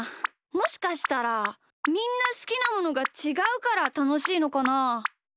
もしかしたらみんなすきなものがちがうからたのしいのかな？